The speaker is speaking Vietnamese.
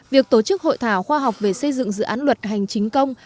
việc tổ chức hội thảo khoa học về xây dựng dự án luật hành chính công